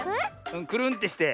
くるんってして。